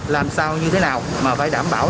làm sao như thế nào mà phải đảm bảo